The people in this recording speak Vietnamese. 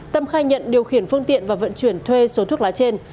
tâm khai nhận điều khiển phương tiện và vận chuyển thuê số thuốc lá trên